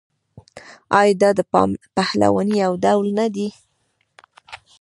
آیا دا د پهلوانۍ یو ډول نه دی؟